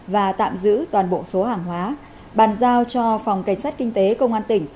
và tạm giữ toàn bộ số hàng hóa bàn giao cho phòng cảnh sát kinh tế công an tỉnh